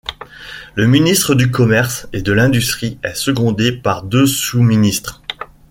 Le ministre du Commerce et de l'Industrie est secondé par deux sous-ministres.